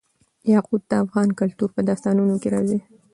یاقوت د افغان کلتور په داستانونو کې راځي.